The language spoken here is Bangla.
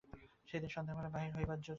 সেদিন সন্ধ্যাবেলায় বাহির হইবার জো ছিল না।